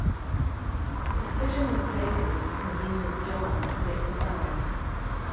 The decision was taken when the presenter, John stepped aside.